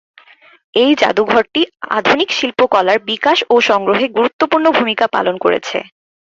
এই জাদুঘরটি আধুনিক শিল্পকলার বিকাশ ও সংগ্রহে গুরুত্বপূর্ণ ভূমিকা পালন করেছে।